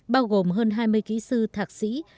bao gồm hơn hai mươi kỹ sư tham gia